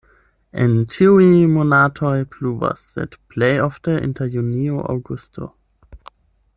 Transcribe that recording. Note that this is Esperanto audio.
En ĉiuj monatoj pluvas, sed plej ofte inter junio-aŭgusto.